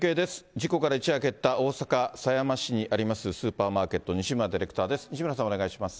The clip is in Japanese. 事故から一夜明けた大阪狭山市にありますスーパーマーケット、西村ディレクターです。